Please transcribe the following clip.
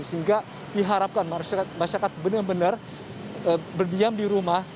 sehingga diharapkan masyarakat benar benar berdiam di rumah